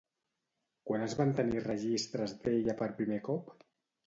Quan es van tenir registres d'ella per primer cop?